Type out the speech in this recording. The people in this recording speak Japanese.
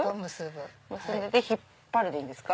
で引っ張るでいいんですか？